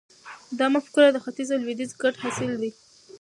دا مفکوره د ختیځ او لویدیځ ګډ حاصل دی.